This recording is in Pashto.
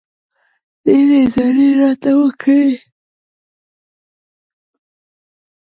ډېرې زارۍ راته وکړې.